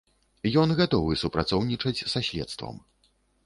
Ён гатовы супрацоўнічаць са следствам.